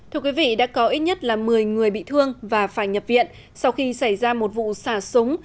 thưa quý vị đã có ít nhất là một mươi người bị thương và phải nhập viện sau khi xảy ra một vụ xả súng